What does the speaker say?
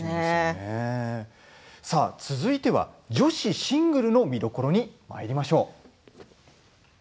続いては女子シングルの見どころにまいりましょう。